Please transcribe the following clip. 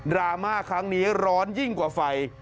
รามาครั้งนี้ร้อนยิ่งกว่าไฟ